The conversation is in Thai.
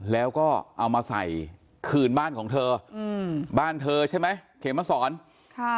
แล้วก็เอามาใส่คืนบ้านของเธออืมบ้านเธอใช่ไหมเขมมาสอนค่ะ